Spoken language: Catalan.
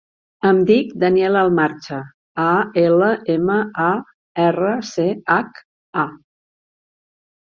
Em dic Daniel Almarcha: a, ela, ema, a, erra, ce, hac, a.